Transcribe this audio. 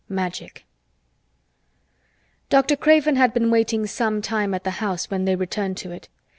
MAGIC Dr. Craven had been waiting some time at the house when they returned to it.